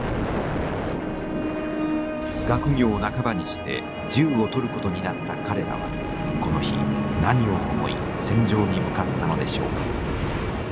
学業半ばにして銃を取ることになった彼らはこの日何を思い戦場に向かったのでしょうか。